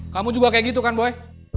kamu juga kayak gitu kan boy